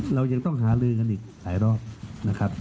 เรายังต้องหาลือกันอีกหลายรอบนะครับ